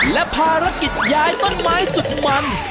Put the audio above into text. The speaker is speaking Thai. และภารกิจย้ายต้นไม้สุดมัน